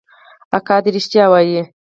اکا دې ريښتيا وايي.